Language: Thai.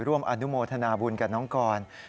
ร่วมอนุโมทนาบุญกับน้องกร